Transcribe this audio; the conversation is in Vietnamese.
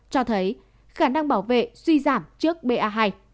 cho thấy khả năng bảo vệ suy giảm trước ba hai